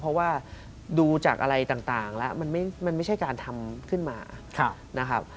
เพราะว่าดูจากอะไรต่างแล้วมันไม่ใช่การทำขึ้นมานะครับ